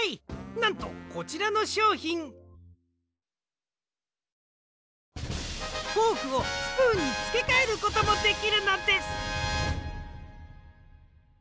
なんとこちらのしょうひんフォークをスプーンにつけかえることもできるのです！